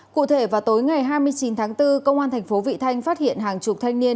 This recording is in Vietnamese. cụ thể vào tối ngày hai mươi chín tháng bốn công an thành phố vị thanh phát hiện hàng chục thanh niên